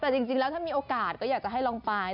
แต่จริงแล้วถ้ามีโอกาสก็อยากจะให้ลองไป